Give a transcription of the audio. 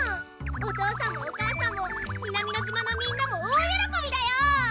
お父さんもお母さんも南乃島のみんなも大よろこびだよ